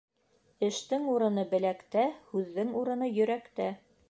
Эштең урыны беләктә, һүҙҙең урыны йөрәктә.